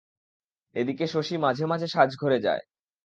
এদিকে শশী মাঝে মাঝে সাজঘরে যায়।